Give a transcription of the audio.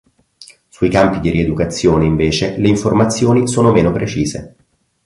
Sui campi di rieducazione, invece, le informazioni sono meno precise.